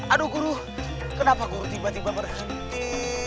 aduh guru kenapa guru tiba tiba berhenti